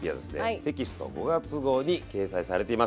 テキスト５月号に掲載されています。